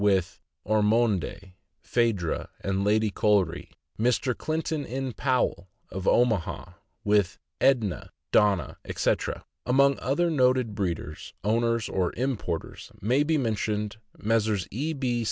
with Ormonde, Phaedra, and Lady Colrey; Mr. Clinton N. Powell, Omaha, with Edne, Donna, etc. Among other noted breeders, owners, or importers, may be mentioned Messrs. E. B.